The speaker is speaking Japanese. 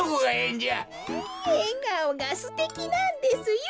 えがおがすてきなんですよ。